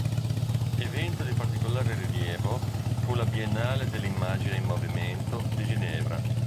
Evento di particolare rilievo fu la Biennale dell'Immagine in Movimento di Ginevra.